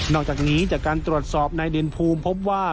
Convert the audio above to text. อกจากนี้จากการตรวจสอบนายเด่นภูมิพบว่า